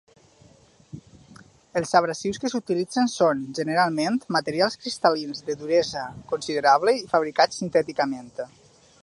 Els abrasius que s'utilitzen són, generalment, materials cristal·lins de duresa considerable i fabricats sintèticament.